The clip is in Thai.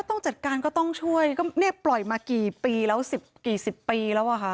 ต้องจัดการก็ต้องช่วยก็เนี่ยปล่อยมากี่ปีแล้วสิบกี่สิบปีแล้วอ่ะค่ะ